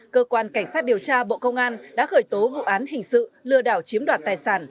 cơ quan cảnh sát điều tra bộ công an đã khởi tố vụ án hình sự lừa đảo chiếm đoạt tài sản